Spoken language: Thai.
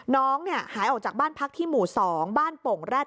น้องหายออกจากบ้านพักที่หมู่๒บ้านโป่งแร็ด